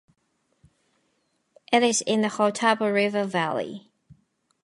It is in the Hautapu River valley.